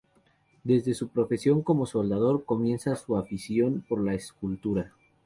Desde su profesión como soldador, comienza su afición por la escultura.